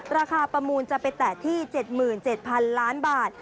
ประมูลจะไปแตะที่๗๗๐๐๐ล้านบาท